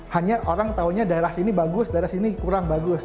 hanya orang taunya daerah sini bagus daerah sini kurang bagus